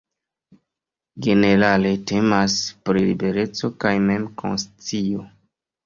Generale temas pri libereco kaj mem-konscio.